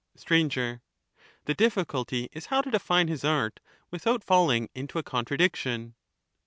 Str, The difficulty is how to define his art without falling into a contradiction.